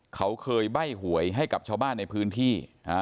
เขาเคยใบ้หวยให้กับชาวบ้านในพื้นที่